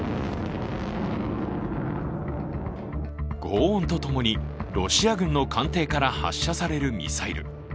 ごう音とともにロシア軍の艦艇から発射されるミサイル。